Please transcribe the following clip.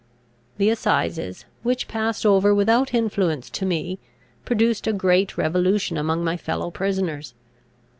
The assizes, which passed over without influence to me, produced a great revolution among my fellow prisoners.